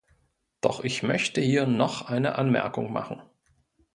Doch ich möchte hier noch eine Anmerkung machen.